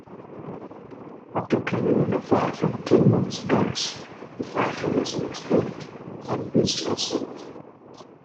After coming under fire from "Tillman"s guns, the patrol vessel exploded and beached herself.